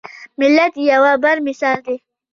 ملت د یوه بڼ مثال لري.